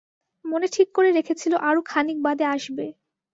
মনে ঠিক করে রেখেছিল আরো খানিক বাদে আসবে।